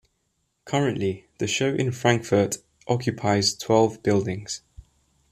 Currently, the show in Frankfurt occupies twelve buildings.